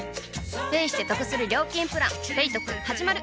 ペイしてトクする料金プラン「ペイトク」始まる！